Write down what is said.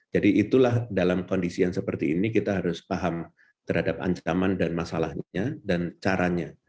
jadi itulah dalam kondisi yang seperti ini kita harus paham terhadap ancaman dan masalahnya dan caranya